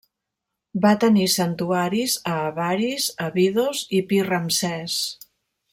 Va tenir santuaris a Avaris, Abidos i Pi-Ramsès.